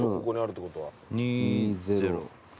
ここにあるってことは。